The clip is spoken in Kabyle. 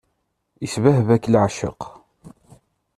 Isbehba-k leεceq.